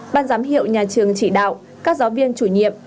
ban giám hiệu nhà trường chỉ đạo các giáo viên chủ nhiệm